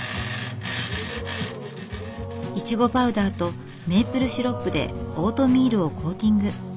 イチゴパウダーとメープルシロップでオートミールをコーティング。